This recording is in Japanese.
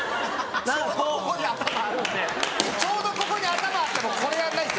ちょうどここに頭あってもこれやんないです